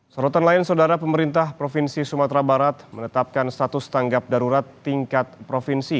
sorotan lain saudara pemerintah provinsi sumatera barat menetapkan status tanggap darurat tingkat provinsi